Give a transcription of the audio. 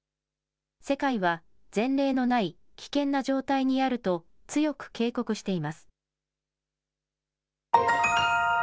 世界は前例のない危険な状態にあると、強く警告しています。